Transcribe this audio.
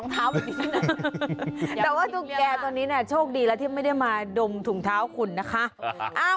แต่ว่าตุ๊กแก่ตัวนี้เนี่ยโชคดีแล้วที่ไม่ได้มาดมถุงเท้าคุณนะคะ